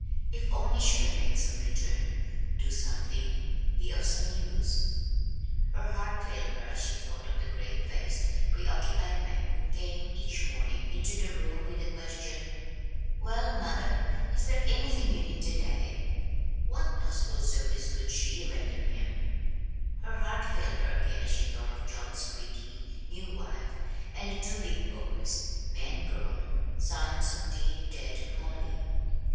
If only she could make some return, do something, be of some use! Her heart failed her as she thought of the grave faced, preoccupied man who came each morning into the room with the question, "Well, mother, is there anything you need to day?" What possible service could she render him? Her heart failed her again as she thought of John's pretty, new wife, and of the two big boys, men grown, sons of dear dead Molly.